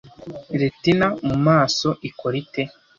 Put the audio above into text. Retina mumaso ikora ite